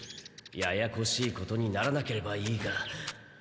ややこしいことにならなければいいが。